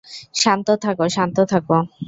শান্ত থাক, শান্ত থাক।